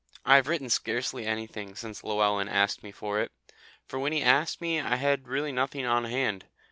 I have written scarcely anything since Llewellyn asked me for it, for when he asked me I had really nothing on hand.